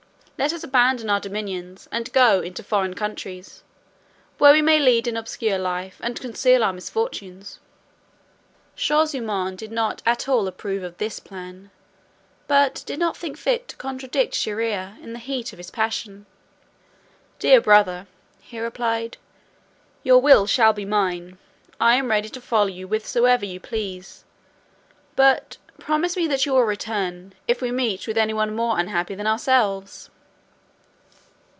Let us abandon our dominions, and go into foreign countries, where we may lead an obscure life, and conceal our misfortunes." Shaw zummaun did not at all approve of this plan, but did not think fit to contradict Shierear in the heat of his passion. "Dear brother," he replied, "your will shall be mine. I am ready to follow you whithersoever you please: but promise me that you will return, if we meet with any one more unhappy than ourselves."